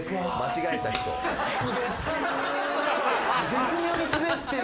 絶妙にスベってる。